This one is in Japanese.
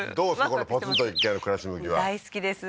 このポツンと一軒家の暮らし向きは大好きです